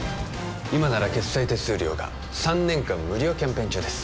今なら決済手数料が３年間無料キャンペーン中です